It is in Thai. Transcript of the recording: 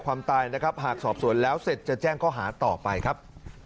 ความตายนะครับหากสอบสวนแล้วเสร็จจะแจ้งข้อหาต่อไปครับ